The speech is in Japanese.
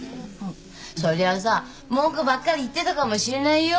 そりゃさ文句ばっかり言ってたかもしれないよ。